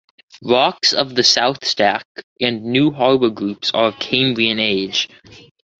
Rocks of the South Stack and New Harbour Groups are of Cambrian age.